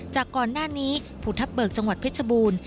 จากก่อนหน้านี้ภูทับเบิกจังหวัดเพชรบูรณ์